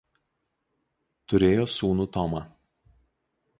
Turėjo sūnų Tomą.